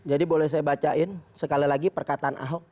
jadi boleh saya bacain sekali lagi perkataan ahok